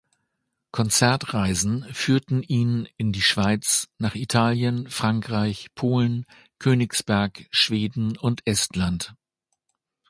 Konzertreisen führten ihn in die Schweiz, nach Italien, Frankreich, Polen, Königsberg, Schweden und Estland.